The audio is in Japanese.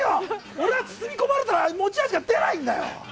俺は包み込まれたら持ち味が出ないんだよ！